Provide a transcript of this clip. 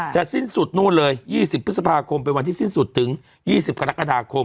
สิ้นสุดนู่นเลย๒๐พฤษภาคมเป็นวันที่สิ้นสุดถึง๒๐กรกฎาคม